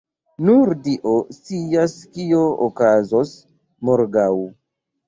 Nur dio scias kio okazos morgaŭ.